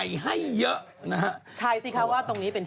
จากธนาคารกรุงเทพฯ